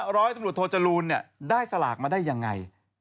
๓ร้อยตรงรุธโทจรูนได้สลากงานมาได้ยังไง